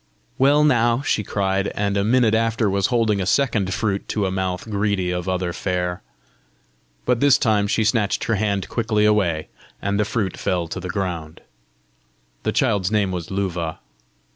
"Well now!" she cried, and a minute after was holding a second fruit to a mouth greedy of other fare. But this time she snatched her hand quickly away, and the fruit fell to the ground. The child's name was Luva.